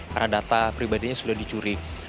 karena data pribadinya sudah diperolehkan